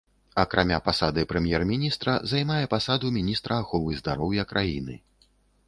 Акрамя пасады прэм'ер-міністра, займае пасаду міністра аховы здароўя краіны.